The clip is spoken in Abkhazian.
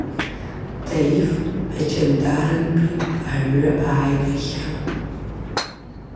Таиф Аҷандарантәи аҩы ааигахьан.